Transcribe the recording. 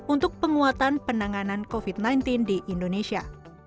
untuk penguatan penanganan covid sembilan belas di indonesia